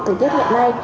thời tiết hiện nay